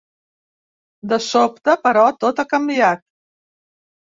De sobte, però, tot ha canviat.